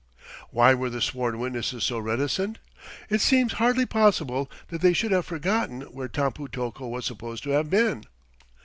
Why were the sworn witnesses so reticent? It seems hardly possible that they should have forgotten where Tampu tocco was supposed to have been.